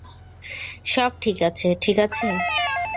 সব ঠিক আছে, ঠিক আছে।